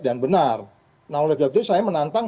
dan benar nah oleh begitu saya menantang